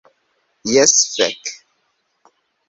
Jes, fek.